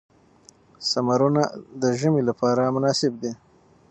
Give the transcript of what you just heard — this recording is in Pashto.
سمورونه د ژمي لپاره مناسب دي.